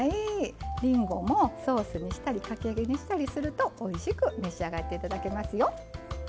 りんごもソースにしたりかき揚げにしたりするとおいしく召し上がっていただけますよ。